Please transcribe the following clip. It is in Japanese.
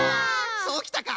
そうきたか！